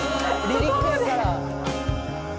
「リリックやから」